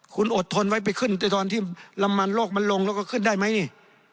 คุณอดทนไว้ไปขึ้นแต่ตอนที่น้ำมันโลกมันลงแล้วก็ขึ้นได้ไหมนี่